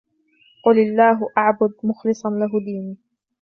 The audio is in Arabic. قل الله أعبد مخلصا له ديني